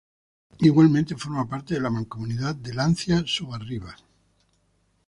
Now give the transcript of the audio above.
Igualmente forma parte de la mancomunidad de Lancia-Sobarriba.